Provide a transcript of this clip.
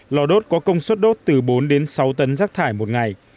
lò đốt có công suất đốt từ bốn đến sáu tấn rác thải một ngày